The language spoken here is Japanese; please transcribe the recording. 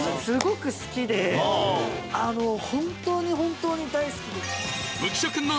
すごく好きで本当に本当に大好き。